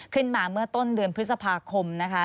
ควิทยาลัยเชียร์สวัสดีครับ